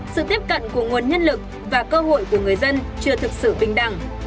sự tiếp cận của nguồn nhân lực và cơ hội của người dân chưa thực sự bình đẳng